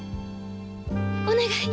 お願い！